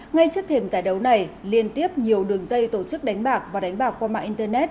ngay trước thềm giải đấu này liên tiếp nhiều đường dây tổ chức đánh bạc và đánh bạc qua mạng internet